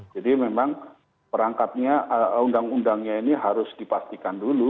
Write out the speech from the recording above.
jadi memang perangkatnya undang undangnya ini harus dipastikan dulu